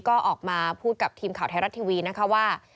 ก็ออกมาพูดกับทีมข่าวไทยรัฐทีวีนะคะว่า